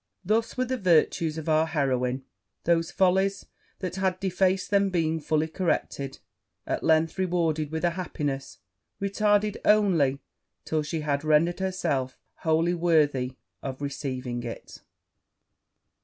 Thus were the virtues of our heroine (those follies that had defaced them being fully corrected) at length rewarded with a happiness retarded only till she had rendered herself wholly worthy of receiving it.